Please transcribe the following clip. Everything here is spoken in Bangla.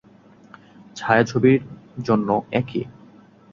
ছায়াছবি জন্য একই।